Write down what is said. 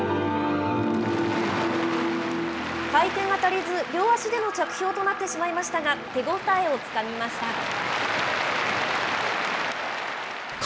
回転が足りず、両足での着氷となってしまいましたが、手応えをつかみました。